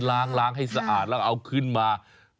ล้างให้สะอาดแล้วก็เอาขึ้นมา